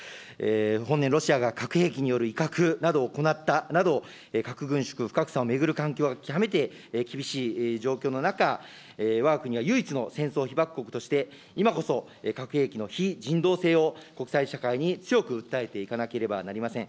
本年、ロシアが核兵器による威嚇などを行ったなど、核軍縮、不拡散を巡る環境は極めて厳しい状況の中、わが国は唯一の戦争被爆国として今こそ核兵器の非人道性を国際社会に強く訴えていかなければなりません。